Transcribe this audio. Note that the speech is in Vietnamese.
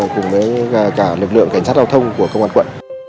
cùng với cả lực lượng cảnh sát giao thông của công an quận